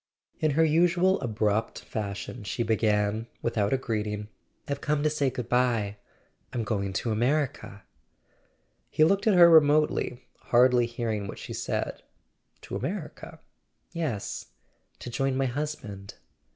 In her usual abrupt fashion she began, without a greeting: "I've come to say goodbye; I'm going to America." He looked at her remotely, hardly hearing what she said. "To America?" "Yes; to join my husband."